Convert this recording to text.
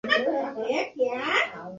বাড়ি ফিরতে মন চাইছে না।